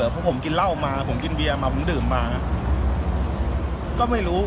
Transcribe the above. เพราะผมกินเหล้ามาผมกินเบียร์มาผมดื่มมาก็ไม่รู้